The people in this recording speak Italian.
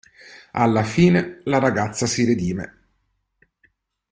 Alla fine, la ragazza si redime.